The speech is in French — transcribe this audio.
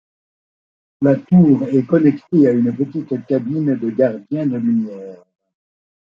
La tour est connectée à une petite cabine de gardiens de lumière.